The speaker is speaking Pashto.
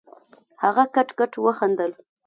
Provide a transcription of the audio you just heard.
هغه کټ کټ وخندل.